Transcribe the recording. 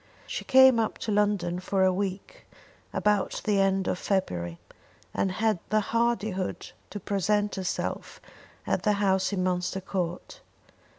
She came up to London for a week about the end of February, and had the hardihood to present herself at the house in Munster Court.